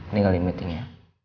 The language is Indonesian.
ini kali meetingnya